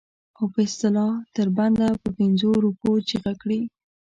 او په اصطلاح تر بنده په پنځو روپو چیغه کړي.